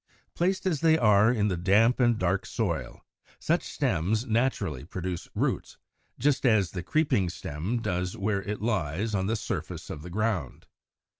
Placed as they are in the damp and dark soil, such stems naturally produce roots, just as the creeping stem does where it lies on the surface of the ground.